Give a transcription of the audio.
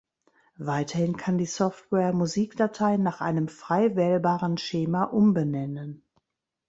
Weiterhin kann die Software Musikdateien nach einem frei wählbaren Schema umbenennen.